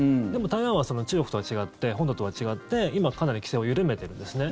台湾は中国とは違って本土とは違って今はかなり規制を緩めているんですね。